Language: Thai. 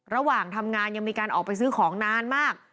ระหว่างทำงานยังมีการออกไปซื้อของนานมาก